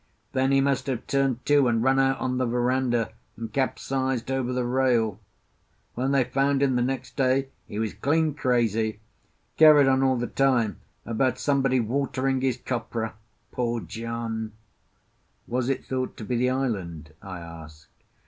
Then he must have turned to and run out on the verandah, and capsized over the rail. When they found him, the next day, he was clean crazy—carried on all the time about somebody watering his copra. Poor John!" "Was it thought to be the island?" I asked.